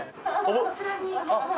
こちらに。